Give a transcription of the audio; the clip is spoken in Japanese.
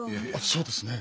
そうですね。